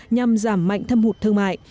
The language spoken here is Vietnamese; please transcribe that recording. nhằm giảm mạnh thâm hụt thương mại